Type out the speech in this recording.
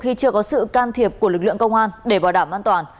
khi chưa có sự can thiệp của lực lượng công an để bảo đảm an toàn